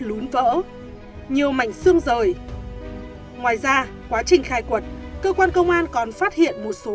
lún vỡ nhiều mảnh xương rời ngoài ra quá trình khai quật cơ quan công an còn phát hiện một số